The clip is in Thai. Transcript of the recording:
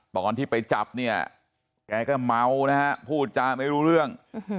ตอนที่ไปจับเนี่ยแกก็เมานะฮะพูดจาไม่รู้เรื่อง